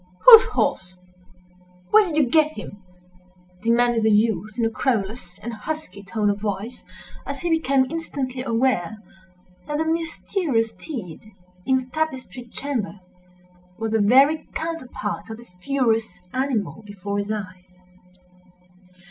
"Whose horse? Where did you get him?" demanded the youth, in a querulous and husky tone of voice, as he became instantly aware that the mysterious steed in the tapestried chamber was the very counterpart of the furious animal before his eyes.